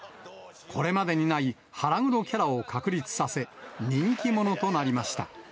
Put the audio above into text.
これまでにない腹黒キャラを確立させ、人気者となりました。